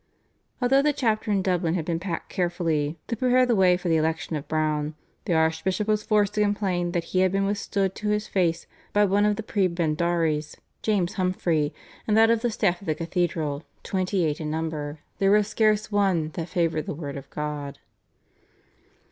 Although the chapter in Dublin had been packed carefully to prepare the way for the election of Browne, the archbishop was forced to complain that he had been withstood to his face by one of the prebendaries, James Humfrey, and that of the staff of the cathedral, twenty eight in number, there was scarce one "that favoured the word of God."